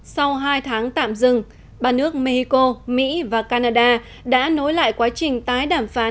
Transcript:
sau hai tháng tạm dừng ba nước mexico mỹ và canada đã nối lại quá trình tái đàm phán